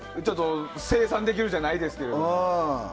清算できるじゃないですけど。